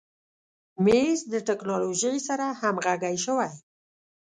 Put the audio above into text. مېز د تکنالوژۍ سره همغږی شوی.